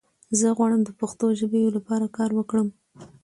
زۀ غواړم د پښتو ژبې لپاره کار وکړم!